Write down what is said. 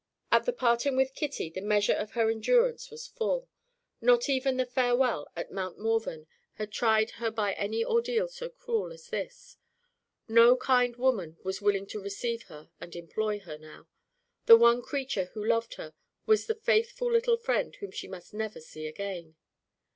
At the parting with Kitty, the measure of her endurance was full. Not even the farewell at Mount Morven had tried her by an ordeal so cruel as this. No kind woman was willing to receive her and employ her, now. The one creature left who loved her was the faithful little friend whom she must never see again.